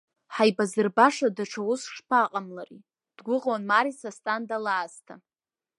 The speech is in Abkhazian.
Ҳаибазырбаша даҽа уск шԥаҟамлари, дгәыӷуан Марица Асҭанда лаасҭа.